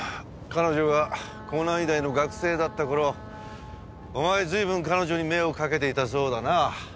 彼女が港南医大の学生だった頃お前随分彼女に目をかけていたそうだな。